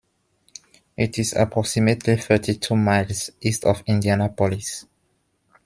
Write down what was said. It is approximately thirty-two miles east of Indianapolis.